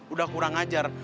udah kurang ajar